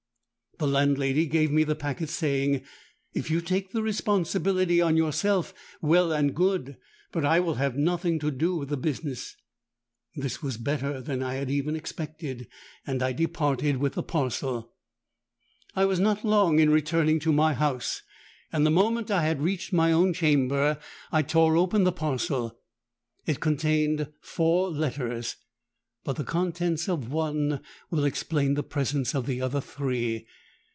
'—The landlady gave me the packet, saying, 'If you take the responsibility on yourself, well and good; but I will have nothing to do with the business.'—This was better than I had even expected; and I departed with the parcel. "I was not long in returning to my house, and the moment I had reached my own chamber, I tore open the parcel. It contained four letters: but the contents of one will explain the presence of the other three.